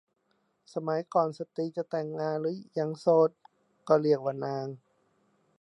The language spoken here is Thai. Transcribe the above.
สมัยก่อนสตรีจะแต่งงานแล้วหรือยังโสด ก็เรียกว่านาง